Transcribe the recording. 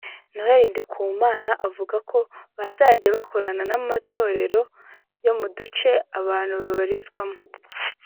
Noel Nkundimana avuga ko bazajya bakorana n’amatorero yo mu duce aba bantu babarizwamo